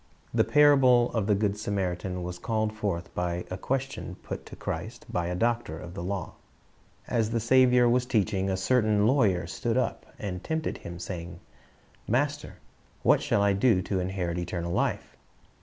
Is My Neighbor r' 377 The parable of the good Samaritan was called forth by a question put to Christ by a doctor of the law. As the Saviour was teaching, "a certain lawyer stood up, and tempted Him, saying, Master, what shall I do to inherit eternal life?"